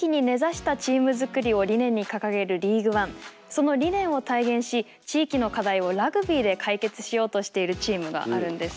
その理念を体現し地域の課題をラグビーで解決しようとしているチームがあるんです。